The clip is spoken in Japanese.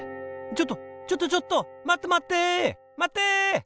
ちょっとちょっとちょっと待って待って待って！